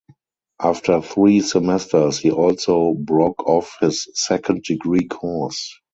After three semesters he also broke off his second degree course.